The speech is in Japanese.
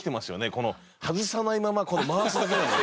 この外さないまま回すだけだもんね。